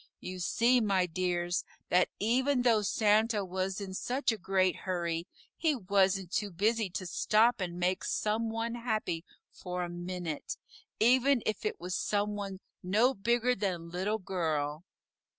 You see, my dears, that even though Santa was in such a great hurry, he wasn't too busy to stop and make some one happy for a minute, even if it was some one no bigger than Little Girl.